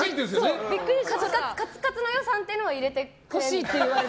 カツカツの予算っていうのは入れてほしいって言われて。